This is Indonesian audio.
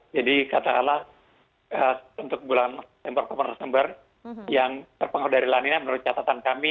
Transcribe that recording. jadi kata allah untuk bulan september yang terpengaruh dari lanina menurut catatan kami